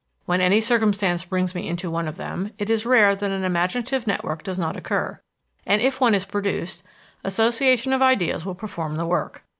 When any circumstance brings me into one of them, it is rare that an imaginative network does not occur; and, if one is produced, association of ideas will perform the work.